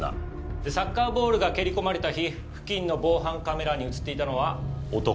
サッカーボールが蹴り込まれた日付近の防犯カメラに写っていたのは男。